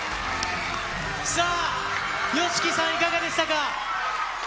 さあ、ＹＯＳＨＩＫＩさん、いかがでしたか？